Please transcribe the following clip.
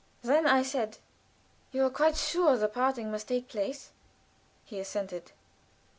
Then I said: "You are quite sure the parting must take place?" He assented.